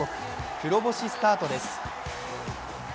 黒星スタートです。